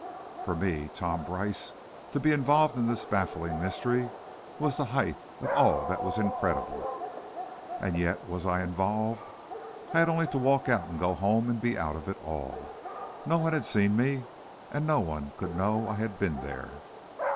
For me, Tom Brice, to be involved in this baffling mystery was the height of all that was incredible! And yet, was I involved? I had only to walk out and go home to be out of it all. No one had seen me and no one could know I had been there.